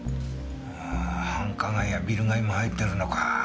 ああ繁華街やビル街も入ってるのか。